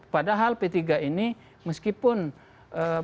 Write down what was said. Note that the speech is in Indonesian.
padahal p tiga ini meskipun p tiga otimis